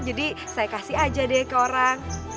jadi saya kasih aja deh ke orang